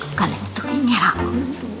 nggak lah itu inget aku